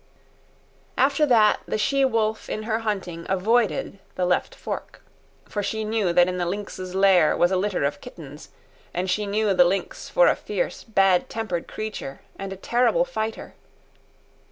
After that, the she wolf in her hunting avoided the left fork. For she knew that in the lynx's lair was a litter of kittens, and she knew the lynx for a fierce, bad tempered creature and a terrible fighter.